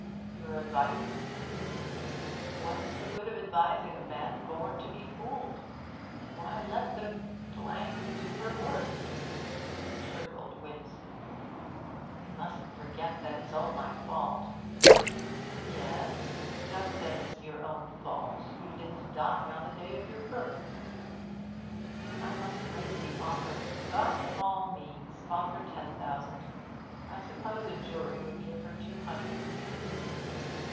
'Your advice?' 'What's the good of advising a man born to be fooled? Why, let the do her worst!' Shergold winced. 'We mustn't forget that it's all my fault.' 'Yes, just as it's your own fault you didn't die on the day of your birth!' 'I must raise the offer ' 'By all means; offer ten thousand. I suppose a jury would give her two hundred and fifty.'